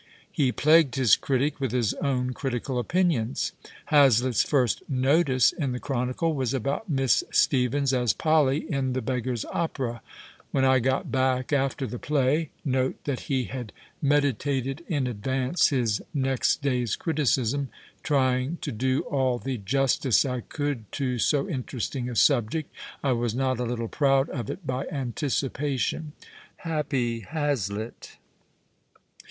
He plagued his critic with his own critical opinions. IlazIiLts first " notice " in the Chronicle was about Miss Stephens as Polly in The Beggar s Opera. " When I got back, after the play " (note th;it he had meditated in .■uhanee his " next 201 PASTICHE AND PREJUDICE day's criticism, trviii*,' to do all the justice I could to so intcrestiuff ;i subject. I was not a little proud of it by anticipation *"— happy Hazlitt